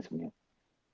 sebenernya empat belas plus